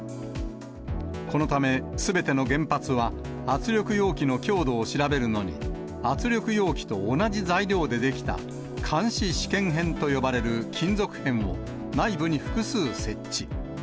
このため、すべての原発は圧力容器の強度を調べるのに、圧力容器と同じ材料で出来た、監視試験片と呼ばれる金属片を、内部に複数設置。